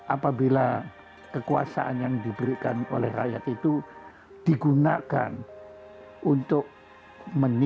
apabila kekuasaan yang diberikan oleh rakyat itu digunakan untuk menilai